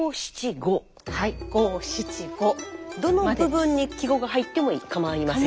五七五どの部分に季語が入ってもかまいません。